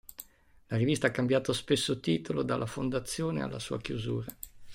La rivista ha cambiato spesso titolo dalla fondazione alla sua chiusura.